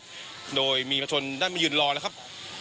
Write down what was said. คุณตูนบริษัทแหลมนะครับโดยมีประชนได้ไม่ยืนรอนะครับ